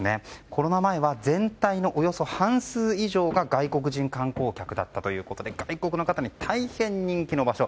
コロナ前は全体のおよそ半数以上が外国人観光客だったということで外国の方に大変人気の場所。